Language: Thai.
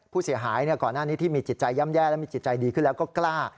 ผู้เสียหายก่อนหน้านี้ที่มีจิตใจย่ำแย่และมีจิตใจดีขึ้นแล้วก็กล้า